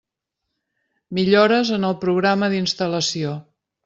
Millores en el programa d'instal·lació.